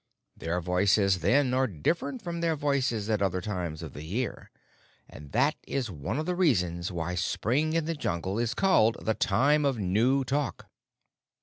Their voices then are different from their voices at other times of the year, and that is one of the reasons why spring in the Jungle is called the Time of New Talk.